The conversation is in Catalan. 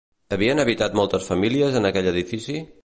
Havien habitat moltes famílies en aquell edifici?